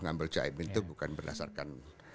ngambil cak imin itu bukan berdasarkan